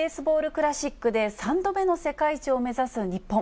クラシックで３度目の世界一を目指す日本。